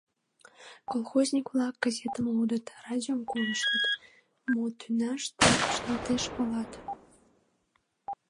Колхозник-влак газетым лудыт, радиом колыштыт, мо тӱняште ышталтеш палат.